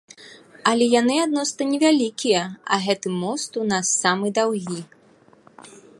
Але яны адносна невялікія, а гэты мост у нас самы даўгі.